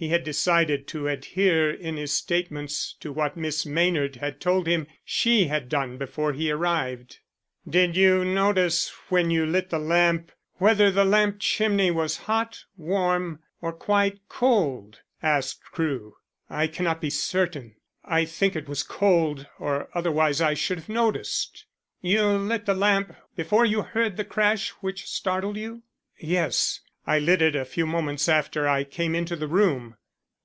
He had decided to adhere in his statements to what Miss Maynard had told him she had done before he arrived. "Did you notice when you lit the lamp whether the lamp chimney was hot, warm, or quite cold?" asked Crewe. "I cannot be certain. I think it was cold, or otherwise I should have noticed." "You lit the lamp before you heard the crash which startled you?" "Yes. I lit it a few moments after I came into the room."